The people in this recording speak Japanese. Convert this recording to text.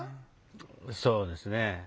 そうですね。